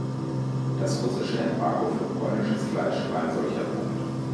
Das russische Embargo für polnisches Fleisch war ein solcher Punkt.